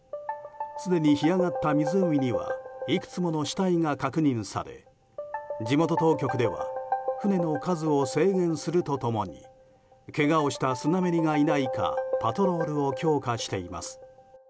すでに干上がった湖にはいくつもの死体が確認され地元当局では船の数を制限するとともにけがをしたスナメリがいないかパトロールを強化しています。